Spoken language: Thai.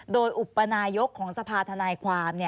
โดยอุปนายกของสภาธนายความ